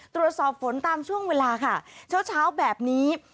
ตรวจสอบฝนตามช่วงเวลาค่ะเช้าเช้าแบบนี้